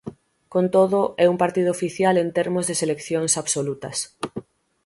Con todo, é un partido oficial en termos de seleccións absolutas.